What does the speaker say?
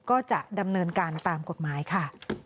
ก็จะดำเนินการตามกฎหมายค่ะ